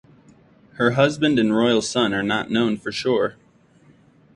Her husband and royal son are not known for sure.